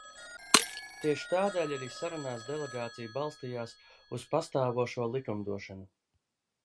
Tieši tādēļ arī sarunās delegācija balstījās uz pastāvošo likumdošanu.